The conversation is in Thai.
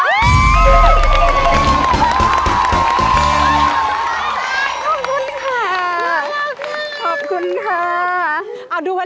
ขอบคุณค่ะขอบคุณค่ะขอบคุณค่ะ